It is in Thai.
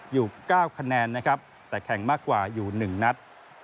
อยู่๙คะแนนนะครับแต่แข่งมากกว่าอยู่๑นัด